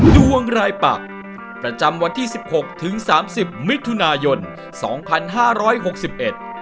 ดวงรายปักประจำวันที่สิบหกถึงสามสิบมิถุนายนสองพันห้าร้อยหกสิบเอ็ด